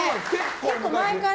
結構前から。